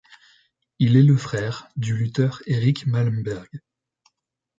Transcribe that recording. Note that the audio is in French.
Il est le frère du lutteur Erik Malmberg.